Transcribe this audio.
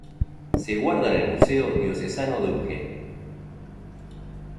Se guarda en el museo Diocesano de Urgel.